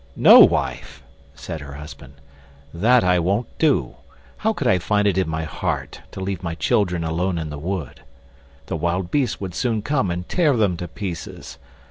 "No, wife," said her husband, "that I won't do; how could I find it in my heart to leave my children alone in the wood? The wild beasts would soon come and tear them to pieces."